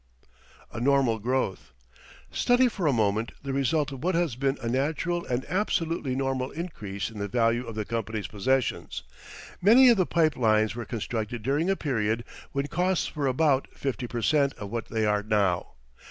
A NORMAL GROWTH Study for a moment the result of what has been a natural and absolutely normal increase in the value of the company's possessions. Many of the pipe lines were constructed during a period when costs were about 50 per cent. of what they are now.